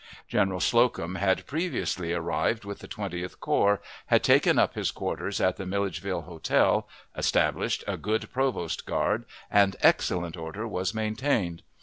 General Slocum had previously arrived with the Twentieth Corps, had taken up his quarters at the Milledgeville Hotel, established a good provost guard, and excellent order was maintained.